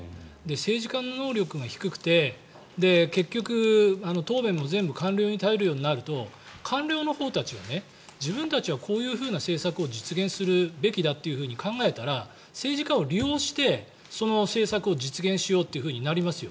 政治家の能力が低くて結局、答弁も全部官僚に頼るようになると官僚のほうたちは自分たちはこういう政策を実現するべきだというふうに考えたら政治家を利用してその政策を実現しようってなりますよ。